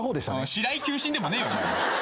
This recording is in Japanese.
白井球審でもねえよ。